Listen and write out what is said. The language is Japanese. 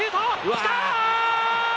きた！